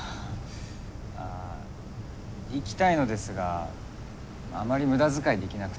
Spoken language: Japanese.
あ行きたいのですがあまり無駄遣いできなくて。